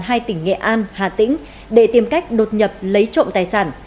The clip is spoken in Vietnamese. hai tỉnh nghệ an hà tĩnh để tìm cách đột nhập lấy trộm tài sản